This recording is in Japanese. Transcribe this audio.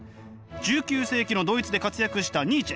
１９世紀のドイツで活躍したニーチェ。